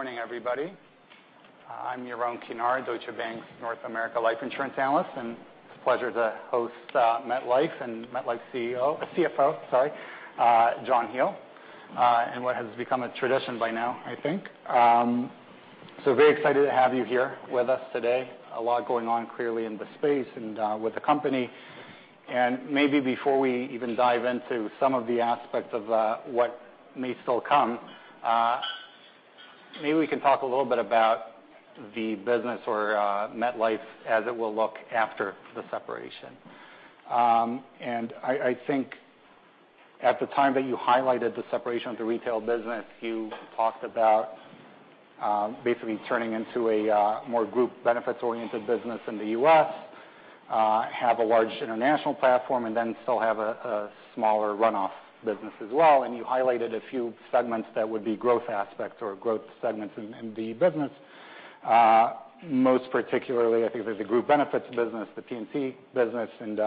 Good morning, everybody. I'm Yaron Kinar, Deutsche Bank's North America life insurance analyst, it's a pleasure to host MetLife and MetLife's CFO, John Hele, in what has become a tradition by now, I think. Very excited to have you here with us today. A lot going on, clearly, in the space and with the company. Maybe before we even dive into some of the aspects of what may still come, maybe we can talk a little bit about the business or MetLife as it will look after the separation. I think at the time that you highlighted the separation of the retail business, you talked about basically turning into a more group benefits-oriented business in the U.S., have a large international platform, and then still have a smaller runoff business as well. You highlighted a few segments that would be growth aspects or growth segments in the business. Most particularly, I think there's a group benefits business, the P&C business, and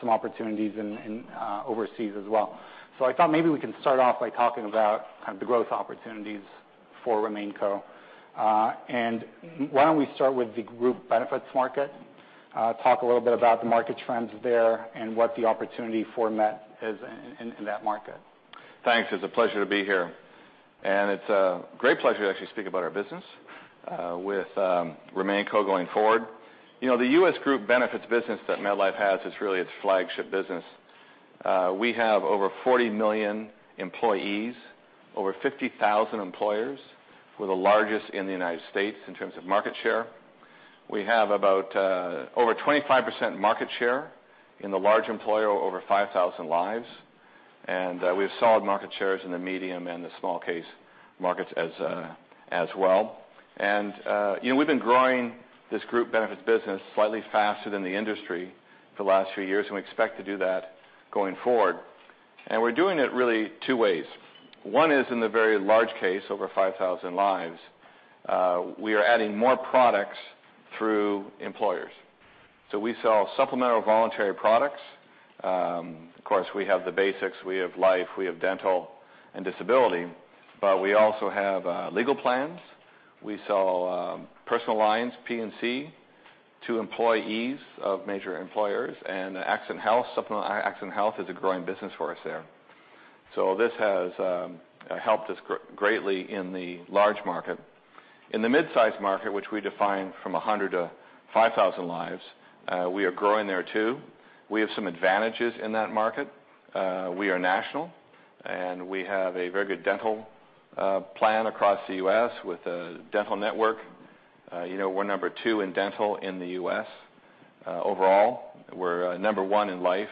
some opportunities overseas as well. I thought maybe we can start off by talking about the growth opportunities for RemainCo. Why don't we start with the group benefits market? Talk a little bit about the market trends there and what the opportunity for Met is in that market. Thanks. It's a pleasure to be here, it's a great pleasure to actually speak about our business with RemainCo going forward. The U.S. group benefits business that MetLife has is really its flagship business. We have over 40 million employees, over 50,000 employers. We're the largest in the United States in terms of market share. We have about over 25% market share in the large employer, over 5,000 lives. We have solid market shares in the medium and the small case markets as well. We've been growing this group benefits business slightly faster than the industry for the last few years, and we expect to do that going forward. We're doing it really two ways. One is in the very large case, over 5,000 lives, we are adding more products through employers. We sell supplemental voluntary products. Of course, we have the basics. We have life, we have dental and disability, but we also have legal plans. We sell personal lines, P&C, to employees of major employers and Accident health. Accident health is a growing business for us there. This has helped us greatly in the large market. In the mid-size market, which we define from 100 to 5,000 lives, we are growing there too. We have some advantages in that market. We are national, and we have a very good dental plan across the U.S. with a dental network. We're number 2 in dental in the U.S. overall. We're number 1 in life.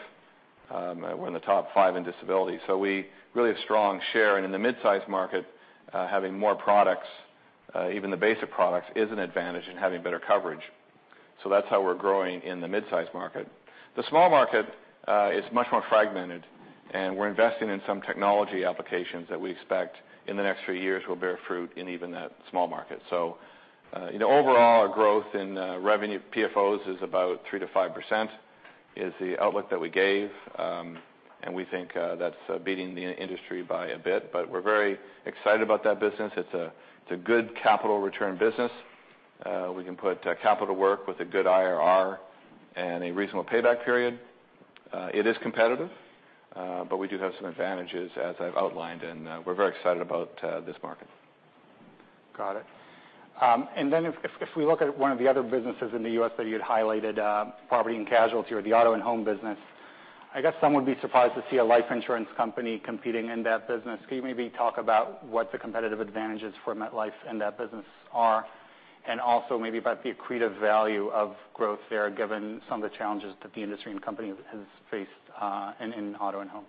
We're in the top five in disability. We really have a strong share. In the mid-size market, having more products, even the basic products, is an advantage in having better coverage. That's how we're growing in the mid-size market. The small market is much more fragmented. We're investing in some technology applications that we expect in the next few years will bear fruit in even that small market. Overall, our growth in revenue, PFOs is about 3%-5%, is the outlook that we gave. We think that's beating the industry by a bit. We're very excited about that business. It's a good capital return business. We can put capital work with a good IRR and a reasonable payback period. It is competitive, but we do have some advantages as I've outlined, and we're very excited about this market. Got it. If we look at one of the other businesses in the U.S. that you had highlighted, property and casualty or the auto and home business, I guess some would be surprised to see a life insurance company competing in that business. Can you maybe talk about what the competitive advantages for MetLife in that business are, and also maybe about the accretive value of growth there, given some of the challenges that the industry and company has faced in auto and home?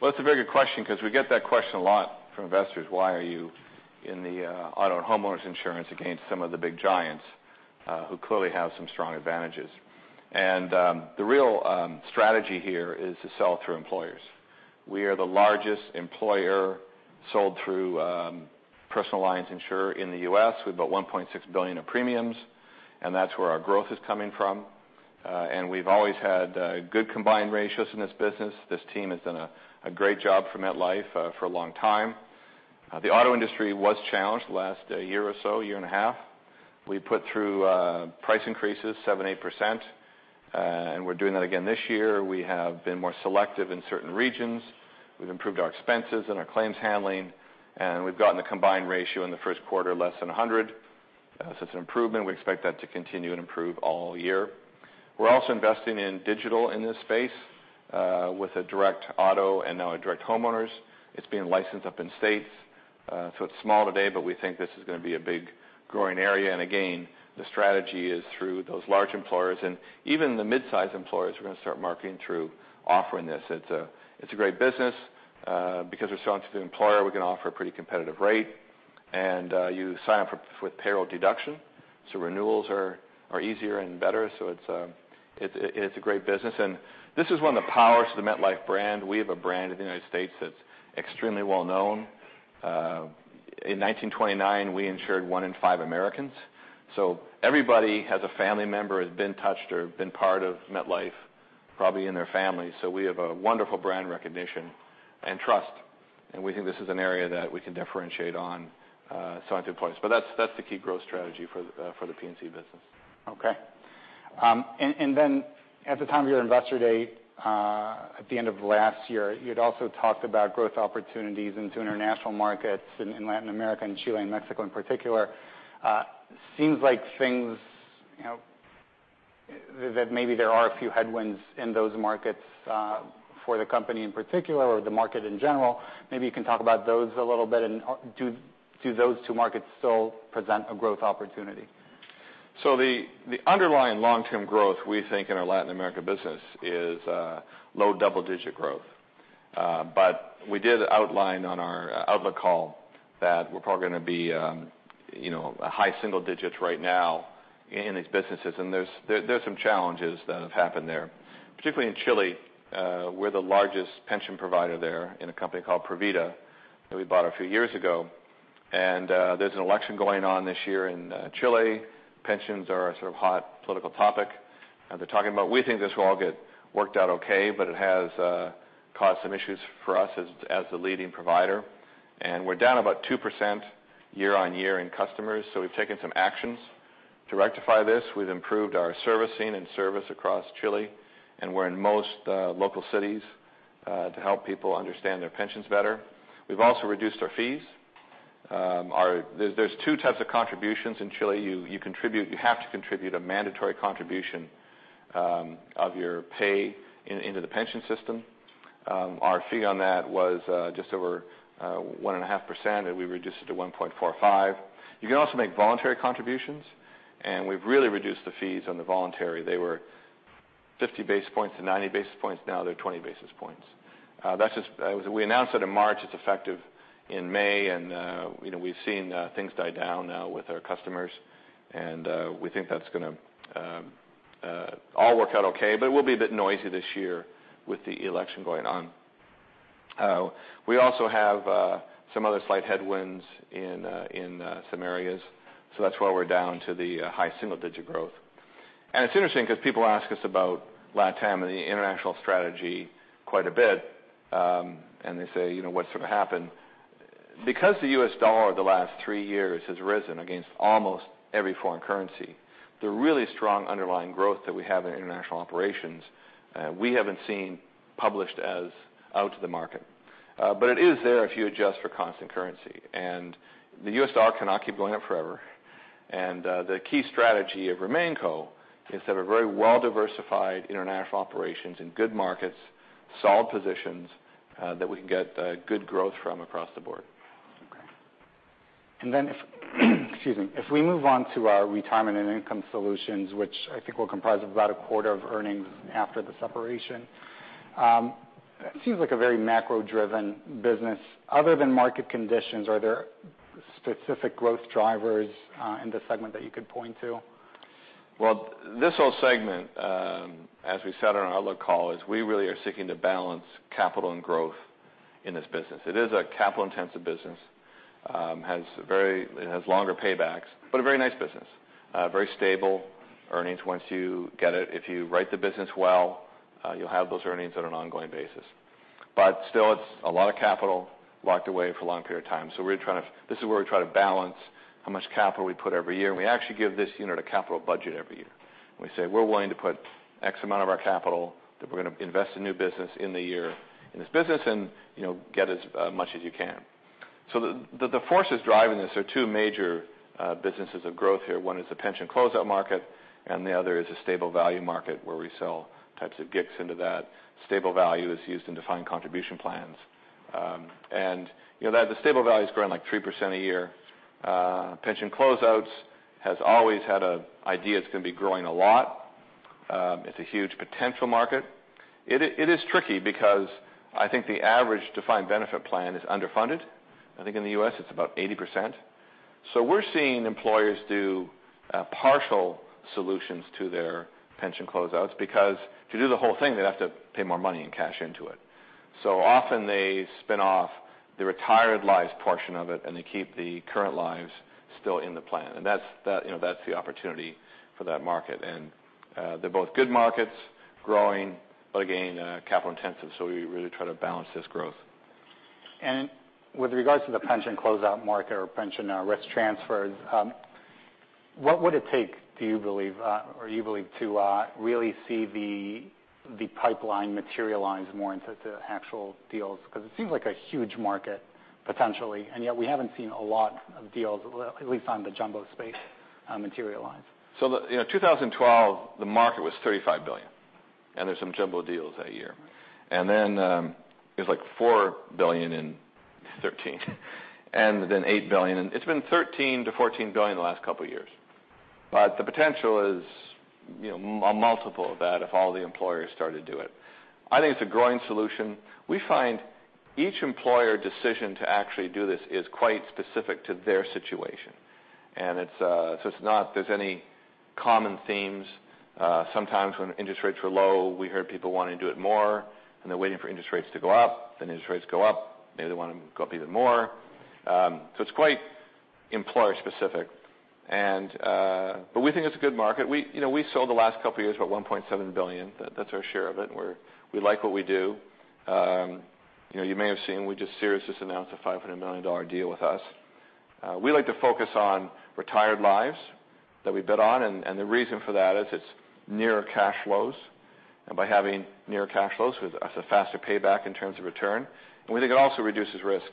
Well, it's a very good question because we get that question a lot from investors. Why are you in the auto and homeowners insurance against some of the big giants who clearly have some strong advantages? The real strategy here is to sell through employers. We are the largest employer sold through personal lines insurer in the U.S. We have about $1.6 billion of premiums. That's where our growth is coming from. We've always had good combined ratios in this business. This team has done a great job for MetLife for a long time. The auto industry was challenged the last year or so, year and a half. We put through price increases 7%-8%. We're doing that again this year. We have been more selective in certain regions. We've improved our expenses and our claims handling. We've gotten the combined ratio in the first quarter less than 100. It's an improvement. We expect that to continue and improve all year. We're also investing in digital in this space with a direct auto and now a direct homeowners. It's being licensed up in states. It's small today, but we think this is going to be a big growing area. Again, the strategy is through those large employers and even the mid-size employers we're going to start marketing through offering this. It's a great business. Because we're selling to the employer, we can offer a pretty competitive rate. You sign up for payroll deduction, so renewals are easier and better. It's a great business. This is one of the powers of the MetLife brand. We have a brand in the U.S. that's extremely well known. In 1929, we insured one in five Americans. Everybody has a family member who has been touched or been part of MetLife. Probably in their families. We have a wonderful brand recognition and trust, and we think this is an area that we can differentiate on so I can pause. That's the key growth strategy for the P&C business. At the time of your investor day, at the end of last year, you'd also talked about growth opportunities into international markets in Latin America, Chile, and Mexico in particular. It seems like there are a few headwinds in those markets, for the company in particular or the market in general. You can talk about those a little bit. Do those two markets still present a growth opportunity? The underlying long-term growth, we think in our Latin America business is low double-digit growth. We did outline on our outlook call that we're probably going to be high single digits right now in these businesses. There's some challenges that have happened there, particularly in Chile. We're the largest pension provider there in a company called Provida that we bought a few years ago. There's an election going on this year in Chile. Pensions are a sort of hot political topic, and they're talking about. We think this will all get worked out okay, but it has caused some issues for us as the leading provider. We're down about 2% year-over-year in customers, so we've taken some actions to rectify this. We've improved our servicing and service across Chile, and we're in most local cities, to help people understand their pensions better. We've also reduced our fees. There's 2 types of contributions in Chile. You have to contribute a mandatory contribution of your pay into the pension system. Our fee on that was just over 1.5%, and we reduced it to 1.45%. You can also make voluntary contributions. We've really reduced the fees on the voluntary. They were 50 basis points to 90 basis points. Now they're 20 basis points. We announced it in March, it's effective in May. We've seen things die down now with our customers and we think that's going to all work out okay. It will be a bit noisy this year with the election going on. We also have some other slight headwinds in some areas. That's why we're down to the high single digit growth. It's interesting because people ask us about LatAm and the international strategy quite a bit. They say, what's going to happen? Because the U.S. dollar the last three years has risen against almost every foreign currency, the really strong underlying growth that we have in international operations, we haven't seen published as out to the market. It is there if you adjust for constant currency. The U.S. dollar cannot keep going up forever. The key strategy of RemainCo is that a very well-diversified international operations in good markets, solid positions, that we can get good growth from across the board. Okay. If excuse me, we move on to our Retirement & Income Solutions, which I think will comprise of about a quarter of earnings after the separation. It seems like a very macro-driven business. Other than market conditions, are there specific growth drivers in this segment that you could point to? Well, this whole segment, as we said on our outlook call, is we really are seeking to balance capital and growth in this business. It is a capital-intensive business. It has longer paybacks, a very nice business. Very stable earnings once you get it. If you write the business well, you'll have those earnings on an ongoing basis. Still it's a lot of capital locked away for a long period of time. This is where we try to balance how much capital we put every year, and we actually give this unit a capital budget every year. We say, "We're willing to put X amount of our capital that we're going to invest in new business in the year in this business and get as much as you can." The forces driving this are two major businesses of growth here. One is the pension closeout market, and the other is a stable value market where we sell types of GICs into that. Stable value is used in defined contribution plans. The stable value is growing like 3% a year. Pension closeouts has always had an idea it's going to be growing a lot. It's a huge potential market. It is tricky because I think the average defined benefit plan is underfunded. I think in the U.S. it's about 80%. We're seeing employers do partial solutions to their pension closeouts because to do the whole thing, they'd have to pay more money and cash into it. Often they spin off the retired lives portion of it and they keep the current lives still in the plan. That's the opportunity for that market. They're both good markets, growing, but again, capital intensive, so we really try to balance this growth. With regards to the pension closeout market or pension risk transfers, what would it take, do you believe, to really see the pipeline materialize more into the actual deals? It seems like a huge market potentially, and yet we haven't seen a lot of deals, at least on the jumbo space materialize. The, 2012, the market was $35 billion, and there's some jumbo deals that year. Then, it was like $4 billion in 2013 and then $8 billion, and it's been $13 billion-$14 billion the last couple of years. The potential is a multiple of that if all the employers started to do it. I think it's a growing solution. We find each employer decision to actually do this is quite specific to their situation. It's not there's any common themes. Sometimes when interest rates were low, we heard people wanting to do it more, and they're waiting for interest rates to go up. Interest rates go up, maybe they want to go up even more. It's quite employer specific. We think it's a good market. We sold the last couple of years about $1.7 billion. That's our share of it, and we like what we do. You may have seen, Sears just announced a $500 million deal with us. We like to focus on retired lives that we bid on. The reason for that is it's nearer cash flows. By having nearer cash flows, it's a faster payback in terms of return. We think it also reduces risk.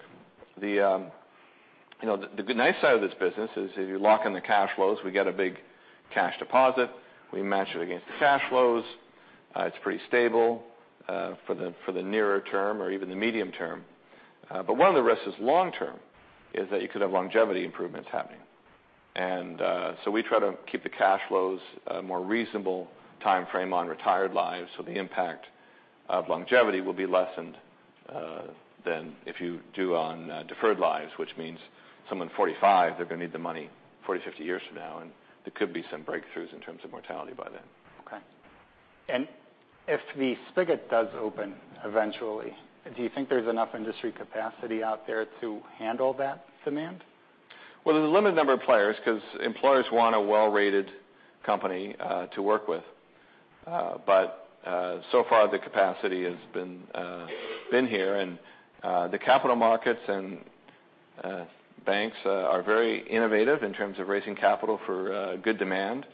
The nice side of this business is if you lock in the cash flows, we get a big cash deposit, we match it against the cash flows. It's pretty stable for the nearer term or even the medium term. One of the risks long term is that you could have longevity improvements happening. We try to keep the cash flows a more reasonable timeframe on retired lives, so the impact of longevity will be lessened than if you do on deferred lives. Which means someone 45, they're going to need the money 40, 50 years from now, and there could be some breakthroughs in terms of mortality by then. Okay. If the spigot does open eventually, do you think there's enough industry capacity out there to handle that demand? Well, there's a limited number of players because employers want a well-rated company to work with. So far, the capacity has been here and the capital markets and banks are very innovative in terms of raising capital for good demand.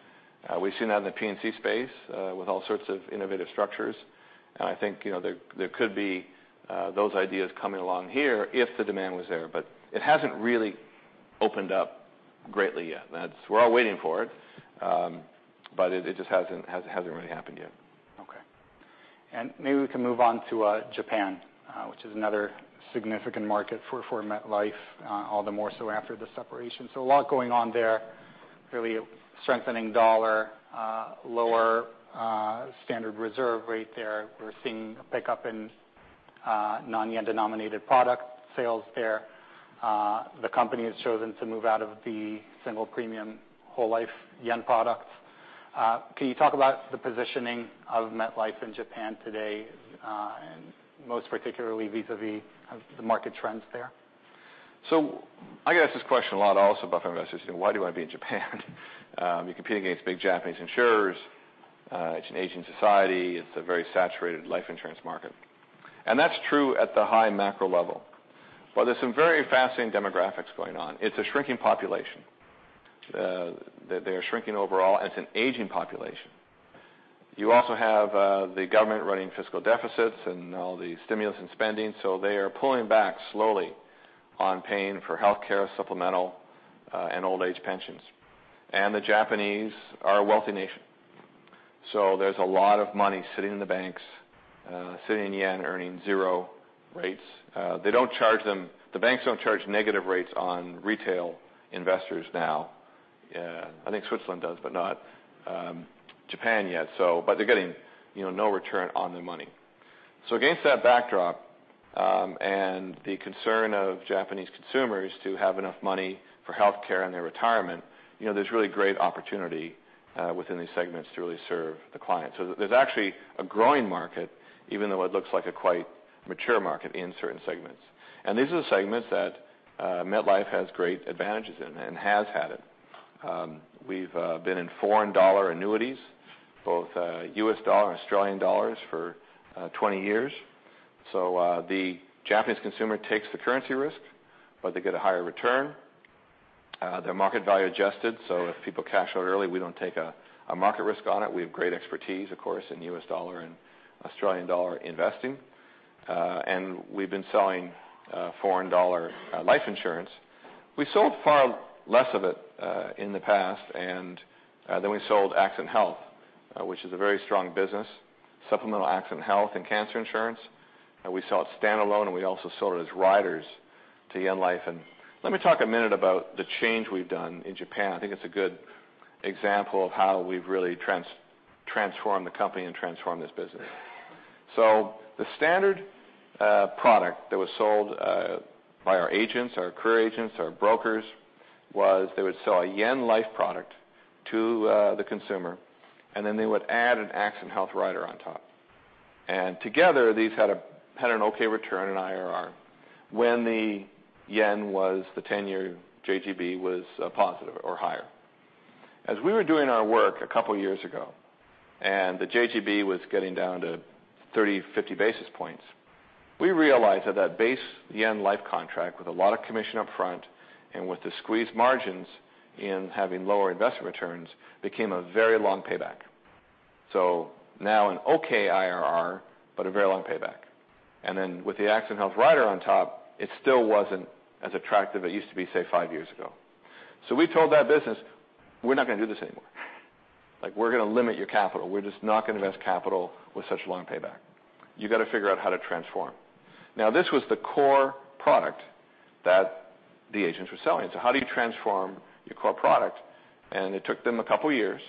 We've seen that in the P&C space with all sorts of innovative structures. I think there could be those ideas coming along here if the demand was there, it hasn't really opened up greatly yet. We're all waiting for it just hasn't really happened yet. Okay. Maybe we can move on to Japan, which is another significant market for MetLife, all the more so after the separation. A lot going on there. Clearly a strengthening dollar, lower standard reserve rate there. We're seeing a pickup in non-yen-denominated product sales there. The company has chosen to move out of the single premium whole life yen products. Can you talk about the positioning of MetLife in Japan today, and most particularly, vis-à-vis of the market trends there? I get asked this question a lot also by investors saying, "Why do I want to be in Japan?" You're competing against big Japanese insurers. It's an aging society. It's a very saturated life insurance market. That's true at the high macro level. There's some very fascinating demographics going on. It's a shrinking population. They are shrinking overall, and it's an aging population. You also have the government running fiscal deficits and all the stimulus and spending, so they are pulling back slowly on paying for healthcare, supplemental, and old age pensions. The Japanese are a wealthy nation, so there's a lot of money sitting in the banks, sitting in yen, earning zero rates. The banks don't charge negative rates on retail investors now. I think Switzerland does, but not Japan yet. They're getting no return on their money. Against that backdrop, and the concern of Japanese consumers to have enough money for healthcare and their retirement, there's really great opportunity within these segments to really serve the clients. There's actually a growing market, even though it looks like a quite mature market in certain segments. These are the segments that MetLife has great advantages in and has had it. We've been in foreign dollar annuities, both U.S. dollar and Australian dollars for 20 years. The Japanese consumer takes the currency risk, but they get a higher return. They're market value adjusted, so if people cash out early, we don't take a market risk on it. We have great expertise, of course, in U.S. dollar and Australian dollar investing. We've been selling foreign dollar life insurance. We sold far less of it in the past, then we sold accident health, which is a very strong business, supplemental accident health and cancer insurance. We sell it standalone, and we also sold it as riders to yen life. Let me talk a minute about the change we've done in Japan. I think it's a good example of how we've really transformed the company and transformed this business. The standard product that was sold by our agents, our career agents, our brokers, was they would sell a yen life product to the consumer, and then they would add an accident health rider on top. Together, these had an okay return in IRR when the yen was the 10-year, JGB was positive or higher. As we were doing our work a couple years ago and the JGB was getting down to 30, 50 basis points, we realized that that base yen life contract with a lot of commission up front and with the squeezed margins in having lower investment returns became a very long payback. Now an okay IRR, but a very long payback. With the accident health rider on top, it still wasn't as attractive as it used to be, say, five years ago. We told that business, we're not going to do this anymore, we're going to limit your capital. We're just not going to invest capital with such long payback. You got to figure out how to transform. Now, this was the core product that the agents were selling. How do you transform your core product? It took them a couple of years,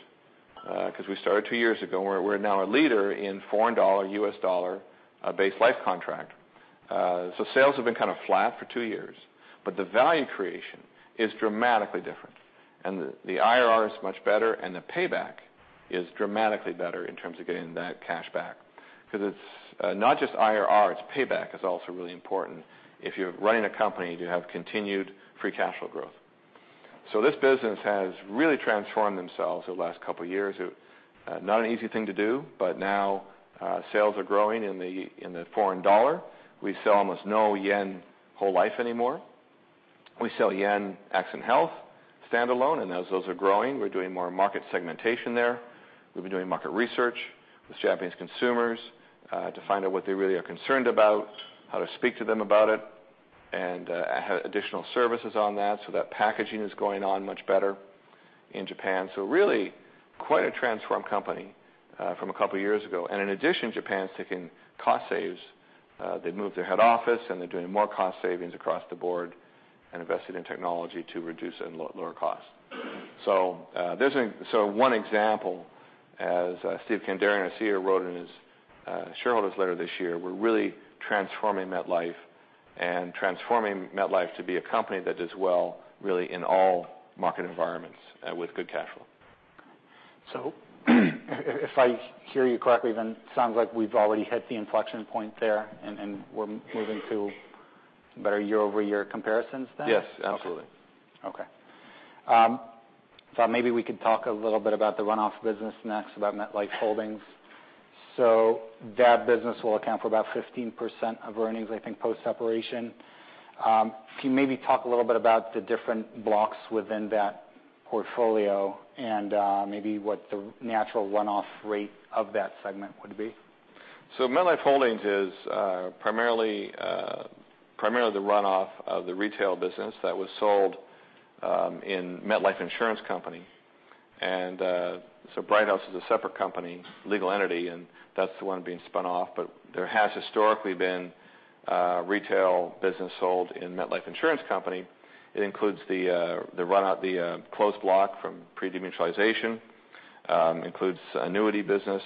because we started 2 years ago, and we're now a leader in foreign dollar, U.S. dollar-based life contract. Sales have been kind of flat for 2 years, but the value creation is dramatically different. The IRR is much better, and the payback is dramatically better in terms of getting that cash back. Because it's not just IRR, it's payback is also really important if you're running a company to have continued free cash flow growth. This business has really transformed themselves over the last couple of years. Not an easy thing to do, but now sales are growing in the foreign dollar. We sell almost no JPY whole life anymore. We sell JPY Accident & Health standalone, and as those are growing, we're doing more market segmentation there. We've been doing market research with Japanese consumers, to find out what they really are concerned about, how to speak to them about it, and additional services on that packaging is going on much better in Japan. Really, quite a transformed company from a couple of years ago. In addition, Japan's taking cost saves. They've moved their head office, and they're doing more cost savings across the board and invested in technology to reduce and lower costs. One example, as Steven Kandarian, our CEO, wrote in his shareholders letter this year, we're really transforming MetLife, and transforming MetLife to be a company that does well really in all market environments with good cash flow. If I hear you correctly, then it sounds like we've already hit the inflection point there, and we're moving to better year-over-year comparisons then? Yes, absolutely. Okay. Thought maybe we could talk a little bit about the runoff business next, about MetLife Holdings. That business will account for about 15% of earnings, I think, post-separation. If you maybe talk a little bit about the different blocks within that portfolio and maybe what the natural runoff rate of that segment would be. MetLife Holdings is primarily the runoff of the retail business that was sold in MetLife Insurance Company. Brighthouse is a separate company, legal entity, and that's the one being spun off. There has historically been a retail business sold in MetLife Insurance Company. It includes the closed block from pre-demutualization, includes annuity business,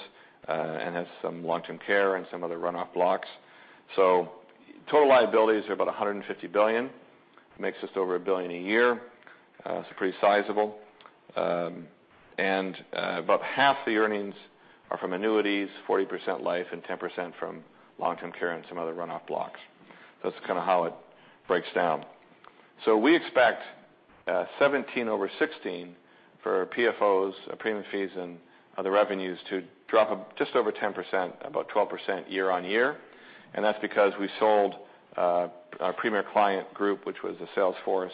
and has some long-term care and some other runoff blocks. Total liabilities are about $150 billion. Makes just over $1 billion a year. It's pretty sizable. About half the earnings are from annuities, 40% life, and 10% from long-term care and some other runoff blocks. That's kind of how it breaks down. We expect 2017 over 2016 for PFOs, premium fees, and other revenues to drop just over 10%, about 12% year-on-year. That's because we sold our MetLife Premier Client Group, which was the sales force,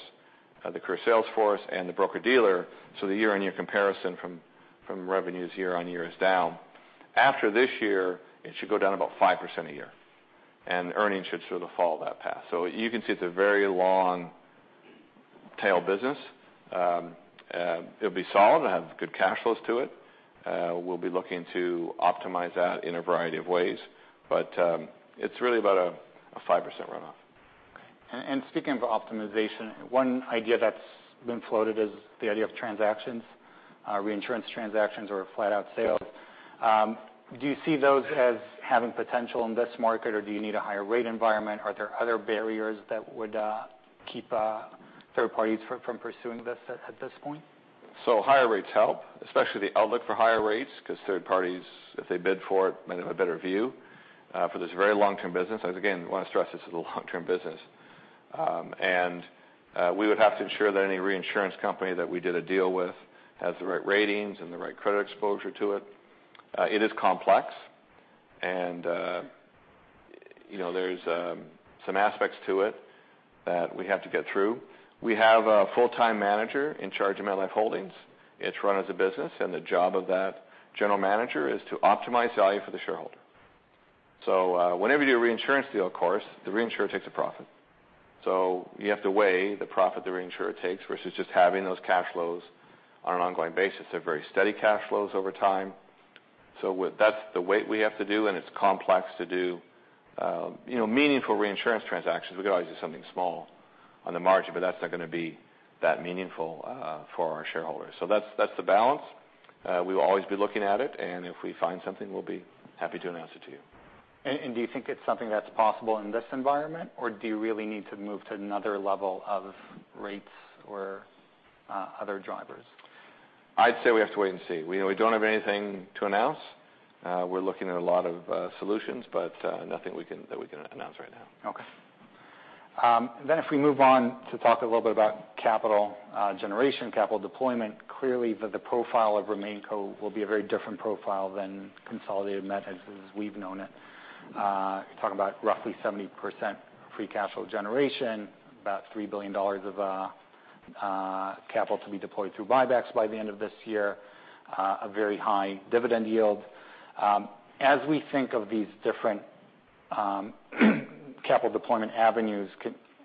the career sales force, and the broker-dealer, the year-on-year comparison from revenues year-on-year is down. After this year, it should go down about 5% a year, and earnings should sort of follow that path. You can see it's a very long tail business. It'll be solid and have good cash flows to it. We'll be looking to optimize that in a variety of ways. It's really about a 5% runoff. Okay. Speaking of optimization, one idea that's been floated is the idea of transactions, reinsurance transactions, or flat-out sales. Do you see those as having potential in this market, or do you need a higher rate environment? Are there other barriers that would keep third parties from pursuing this at this point? Higher rates help, especially the outlook for higher rates, because third parties, if they bid for it, might have a better view for this very long-term business. Again, I want to stress this is a long-term business. We would have to ensure that any reinsurance company that we did a deal with has the right ratings and the right credit exposure to it. It is complex, and there's some aspects to it that we have to get through. We have a full-time manager in charge of MetLife Holdings. It's run as a business, and the job of that general manager is to optimize value for the shareholder. Whenever you do a reinsurance deal, of course, the reinsurer takes a profit. You have to weigh the profit the reinsurer takes versus just having those cash flows on an ongoing basis. They're very steady cash flows over time. That's the weight we have to do, and it's complex to do meaningful reinsurance transactions. We could always do something small on the margin, that's not going to be that meaningful for our shareholders. That's the balance. We will always be looking at it, and if we find something, we'll be happy to announce it to you. Do you think it's something that's possible in this environment, or do you really need to move to another level of rates or other drivers? I'd say we have to wait and see. We don't have anything to announce. We're looking at a lot of solutions, nothing that we can announce right now. Okay. If we move on to talk a little bit about capital generation, capital deployment. Clearly, the profile of RemainCo will be a very different profile than Consolidated Met as we've known it. You're talking about roughly 70% free cash flow generation, about $3 billion of capital to be deployed through buybacks by the end of this year, a very high dividend yield. As we think of these different capital deployment avenues,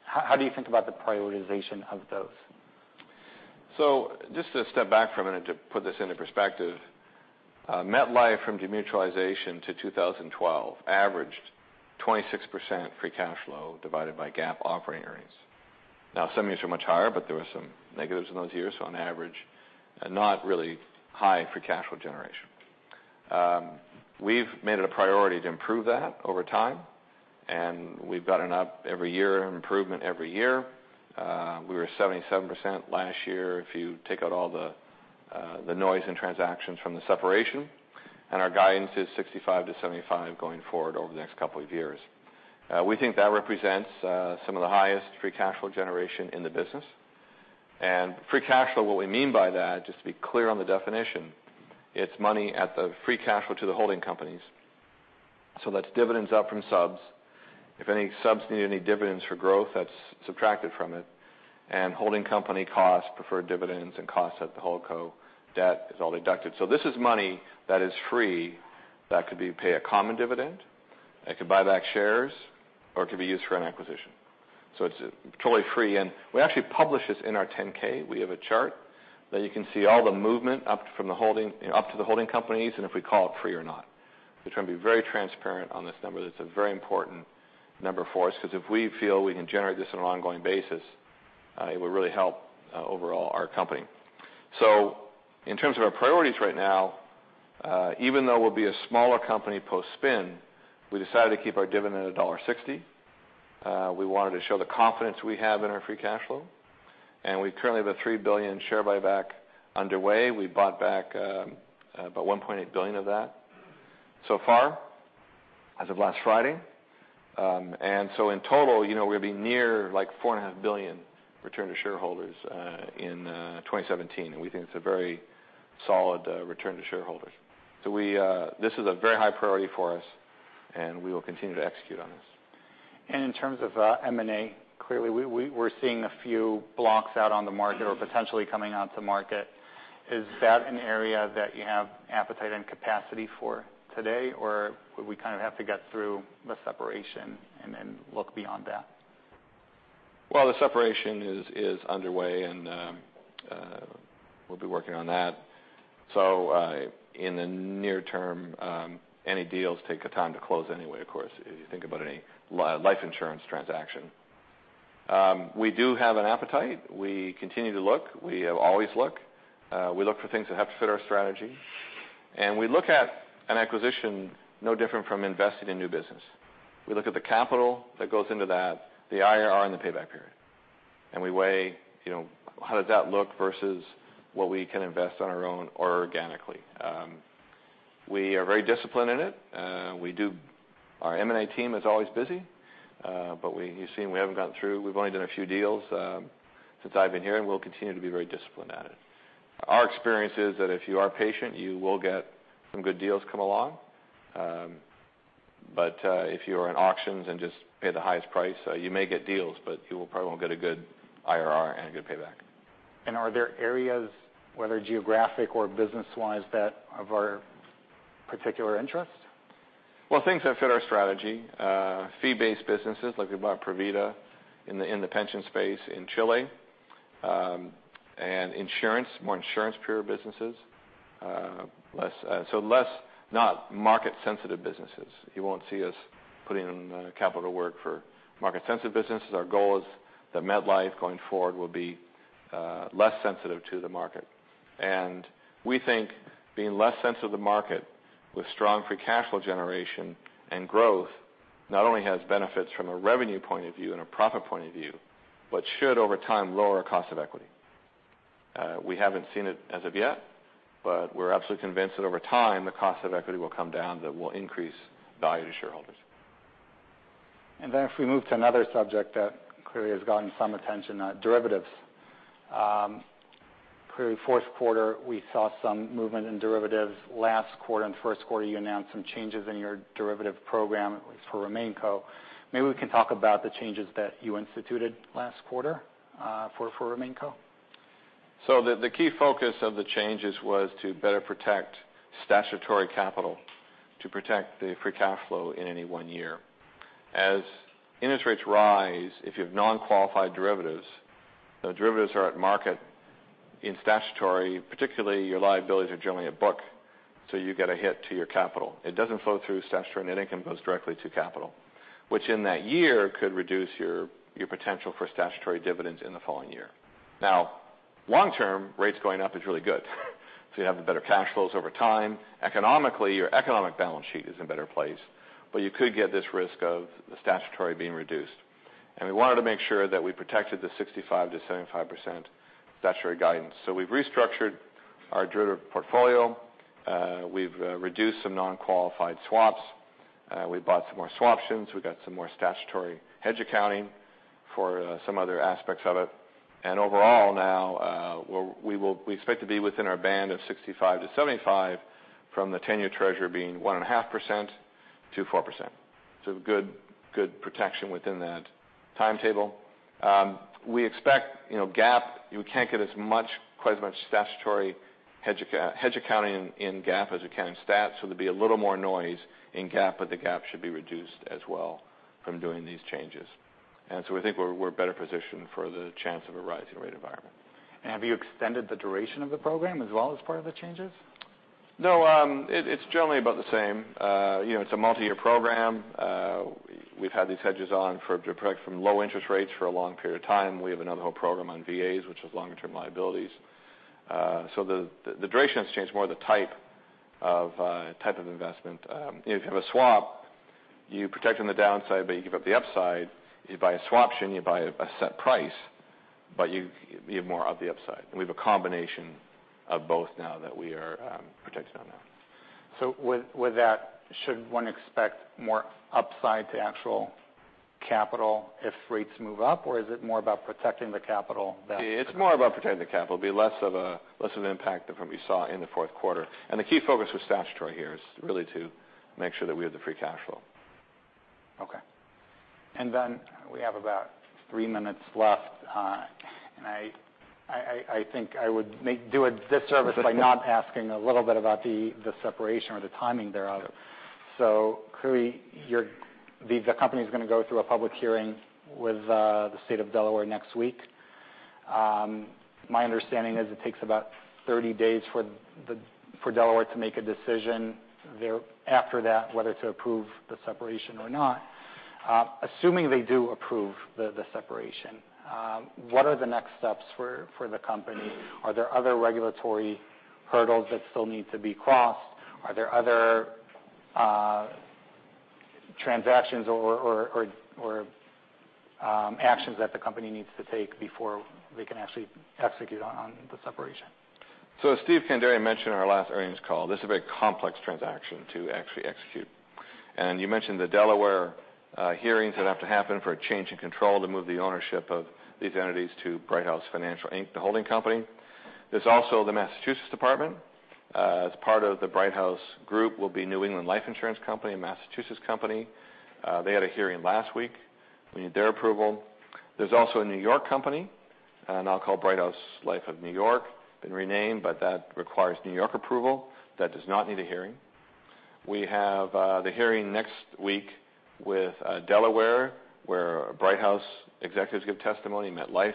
how do you think about the prioritization of those? Just to step back for a minute to put this into perspective, MetLife from demutualization to 2012 averaged 26% free cash flow divided by GAAP operating earnings. Some years were much higher, but there were some negatives in those years, so on average, not really high free cash flow generation. We've made it a priority to improve that over time, and we've gotten up every year, improvement every year. We were 77% last year, if you take out all the noise and transactions from the separation, and our guidance is 65%-75% going forward over the next couple of years. We think that represents some of the highest free cash flow generation in the business. Free cash flow, what we mean by that, just to be clear on the definition, it's money at the free cash flow to the holding companies. That's dividends up from subs. If any subs need any dividends for growth, that's subtracted from it. Holding company costs, preferred dividends, and costs at the holdco, debt is all deducted. This is money that is free, that could be pay a common dividend, it could buy back shares, or it could be used for an acquisition. It's totally free. We actually publish this in our 10-K. We have a chart that you can see all the movement up to the holding companies, and if we call it free or not. We try to be very transparent on this number. That's a very important number for us, because if we feel we can generate this on an ongoing basis, it would really help overall our company. In terms of our priorities right now, even though we'll be a smaller company post-spin, we decided to keep our dividend $1.60. We wanted to show the confidence we have in our free cash flow. We currently have a $3 billion share buyback underway. We bought back about $1.8 billion of that so far as of last Friday. In total, we're going to be near $4.5 billion return to shareholders in 2017, and we think it's a very solid return to shareholders. This is a very high priority for us, and we will continue to execute on this. In terms of M&A, clearly we're seeing a few blocks out on the market or potentially coming out to market. Is that an area that you have appetite and capacity for today, or would we kind of have to get through the separation and look beyond that? The separation is underway, and we'll be working on that. In the near term, any deals take a time to close anyway, of course, if you think about any life insurance transaction. We do have an appetite. We continue to look. We always look. We look for things that have to fit our strategy. We look at an acquisition no different from investing in new business. We look at the capital that goes into that, the IRR, and the payback period. We weigh how does that look versus what we can invest on our own organically. We are very disciplined in it. Our M&A team is always busy. You've seen we've only done a few deals since I've been here, and we'll continue to be very disciplined at it. Our experience is that if you are patient, you will get some good deals come along. If you are in auctions and just pay the highest price, you may get deals, but you probably won't get a good IRR and a good payback. Are there areas, whether geographic or business-wise, that are of our particular interest? Things that fit our strategy. Fee-based businesses, like we bought AFP Provida S.A. in the pension space in Chile. Insurance, more insurance pure businesses. Less not market sensitive businesses. You won't see us putting in capital work for market sensitive businesses. Our goal is that MetLife, Inc. going forward will be less sensitive to the market. We think being less sensitive to the market with strong free cash flow generation and growth not only has benefits from a revenue point of view and a profit point of view, but should over time lower cost of equity. We haven't seen it as of yet, but we're absolutely convinced that over time, the cost of equity will come down. That will increase value to shareholders. If we move to another subject that clearly has gotten some attention, derivatives. Clearly, first quarter, we saw some movement in derivatives. Last quarter and first quarter, you announced some changes in your derivative program for RemainCo. Maybe we can talk about the changes that you instituted last quarter for RemainCo. The key focus of the changes was to better protect statutory capital, to protect the free cash flow in any one year. As interest rates rise, if you have non-qualified derivatives, the derivatives are at market in statutory, particularly your liabilities are generally a book, so you get a hit to your capital. It doesn't flow through statutory net income. It goes directly to capital. Which in that year could reduce your potential for statutory dividends in the following year. Long term, rates going up is really good. You have the better cash flows over time. Economically, your economic balance sheet is in better place, but you could get this risk of the statutory being reduced. We wanted to make sure that we protected the 65% to 75% statutory guidance. We've restructured our derivative portfolio. We've reduced some non-qualified swaps. We bought some more swaptions. We got some more statutory hedge accounting for some other aspects of it. Overall now, we expect to be within our band of 65% to 75% from the 10-year Treasury being 1.5% to 4%. Good protection within that timetable. We expect GAAP, you can't get as much, quite as much statutory hedge accounting in GAAP as you can in stat, so there'll be a little more noise in GAAP, but the GAAP should be reduced as well from doing these changes. We think we're better positioned for the chance of a rising rate environment. Have you extended the duration of the program as well as part of the changes? No, it's generally about the same. It's a multi-year program. We've had these hedges on to protect from low interest rates for a long period of time. We have another whole program on VAs, which is longer-term liabilities. The duration has changed more the type of investment. If you have a swap, you protect on the downside, but you give up the upside. You buy a swaption, you buy a set price, but you give more of the upside. We have a combination of both now that we are protecting on that. With that, should one expect more upside to actual capital if rates move up? Or is it more about protecting the capital than? It's more about protecting the capital, it'll be less of an impact than what we saw in the fourth quarter. The key focus with statutory here is really to make sure that we have the free cash flow. Okay. Then we have about three minutes left. I think I would do a disservice by not asking a little bit about the separation or the timing thereof. Clearly, the company's going to go through a public hearing with the State of Delaware next week. My understanding is it takes about 30 days for Delaware to make a decision after that, whether to approve the separation or not. Assuming they do approve the separation, what are the next steps for the company? Are there other regulatory hurdles that still need to be crossed? Are there other transactions or actions that the company needs to take before they can actually execute on the separation? As Steven Kandarian mentioned in our last earnings call, this is a very complex transaction to actually execute. You mentioned the Delaware hearings that have to happen for a change in control to move the ownership of these entities to Brighthouse Financial, Inc., the holding company. There's also the Massachusetts department. As part of the Brighthouse Group will be New England Life Insurance Company, a Massachusetts company. They had a hearing last week. We need their approval. There's also a New York company, and I'll call Brighthouse Life Insurance Company of NY, been renamed, but that requires New York approval. That does not need a hearing. We have the hearing next week with Delaware, where Brighthouse executives give testimony, MetLife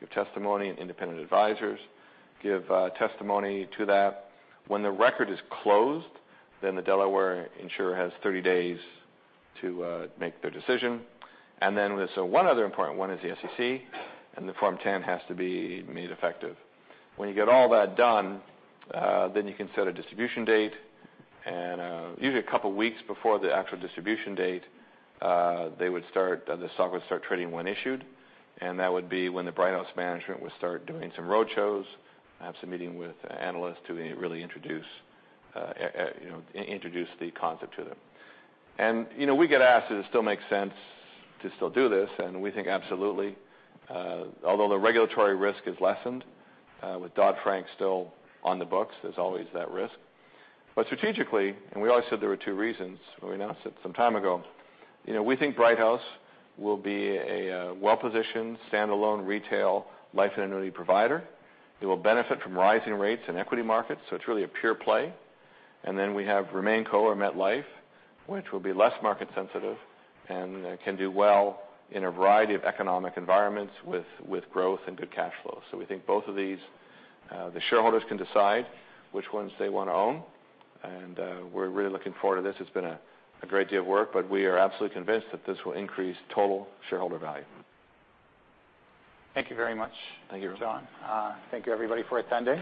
give testimony, and independent advisors give testimony to that. When the record is closed, the Delaware insurer has 30 days to make their decision. There's one other important one is the SEC, the Form 10 has to be made effective. When you get all that done, you can set a distribution date, usually a couple of weeks before the actual distribution date, the stock would start trading when issued, that would be when the Brighthouse management would start doing some road shows, have some meeting with analysts to really introduce the concept to them. We get asked if it still makes sense to still do this, we think absolutely. Although the regulatory risk is lessened, with Dodd-Frank still on the books, there's always that risk. Strategically, we always said there were two reasons when we announced it some time ago, we think Brighthouse will be a well-positioned, standalone retail life and annuity provider. It will benefit from rising rates in equity markets, it's really a pure play. We have RemainCo or MetLife, which will be less market sensitive and can do well in a variety of economic environments with growth and good cash flow. We think both of these, the shareholders can decide which ones they want to own, we're really looking forward to this. It's been a great deal of work, we are absolutely convinced that this will increase total shareholder value. Thank you very much. Thank you. John. Thank you everybody for attending.